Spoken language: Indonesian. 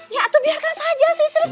ya itu biarkan saja sih serius